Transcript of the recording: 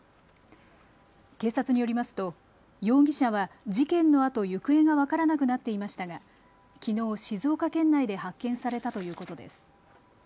警察によりますと容疑者は事件のあと行方が分からなくなっていましたが、きのう静岡県内で発見されたということです。